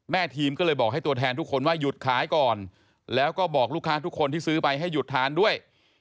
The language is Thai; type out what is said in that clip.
ทีมก็เลยบอกให้ตัวแทนทุกคนว่าหยุดขายก่อนแล้วก็บอกลูกค้าทุกคนที่ซื้อไปให้หยุดทานด้วย